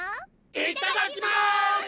いただきます！